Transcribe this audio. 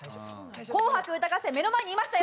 『紅白歌合戦』目の前にいましたよ。